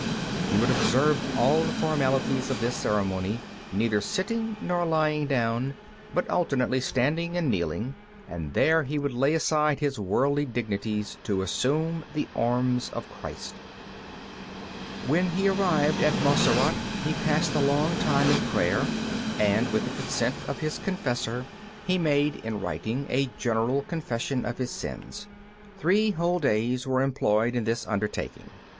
He would observe all the formalities of this ceremony, neither sitting nor lying down, but alternately standing and kneeling, and there he would lay aside his worldly dignities to assume the arms of Christ. When he arrived at Montserrat, he passed a long time in prayer, and with the consent of his confessor he made in writing a general confession of his sins. Three whole days were employed in this undertaking.